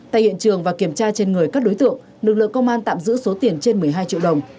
tại hiện trường và kiểm tra trên người các đối tượng lực lượng công an tạm giữ số tiền trên một mươi hai triệu đồng